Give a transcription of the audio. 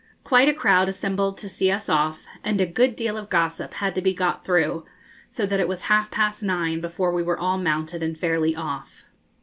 Quite a crowd assembled to see us off, and a good deal of gossip had to be got through, so that it was half past nine before we were all mounted and fairly off.